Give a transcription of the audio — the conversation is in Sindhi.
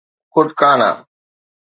ڪٽڪانا